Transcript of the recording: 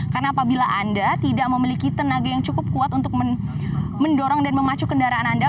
karena apabila anda tidak memiliki tenaga yang cukup kuat untuk mendorong dan memacu kendaraan anda